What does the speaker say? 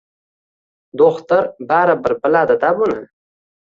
Do‘xtir baribir biladi-da buni.